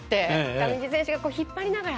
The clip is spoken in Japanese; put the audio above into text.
上地選手が引っ張りながら。